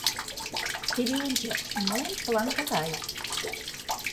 Теве ончо, мыйын план тыгай...